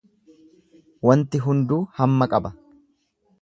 Waanti hunduu hamma qaba.